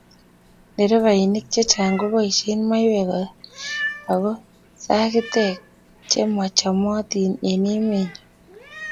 nderefainik chechang kobaishe maywek ako sagitek chemachamatin eng emenyo